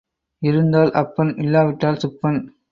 இருந்தால் அப்பன் இல்லாவிட்டால் சுப்பன்.